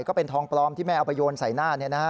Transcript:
ก็เป็นทองปลอมที่แม่เอาไปโยนใส่หน้า